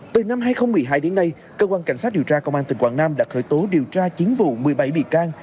từ năm hai nghìn một mươi hai đến nay cơ quan cảnh sát điều tra công an tỉnh quảng nam đã khởi tố điều tra chiến vụ một mươi bảy bị can